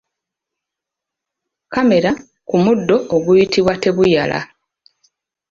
Kamera ku muddo oguyitibwa tebuyala.